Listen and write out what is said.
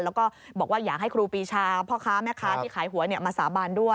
แล้วก็บอกว่าอยากให้ครูปีชาพ่อค้าแม่ค้าที่ขายหวยมาสาบานด้วย